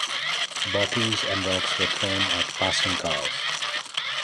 Bottles and rocks were thrown at passing cars.